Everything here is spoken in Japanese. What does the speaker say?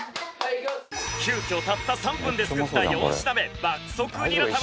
急遽たった３分で作った４品目爆速ニラ玉。